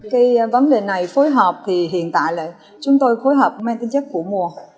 cái vấn đề này phối hợp thì hiện tại là chúng tôi phối hợp mang tính chất của mùa